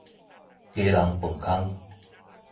基隆磅空